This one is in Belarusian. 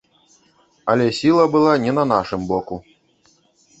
Але сіла была не на нашым боку.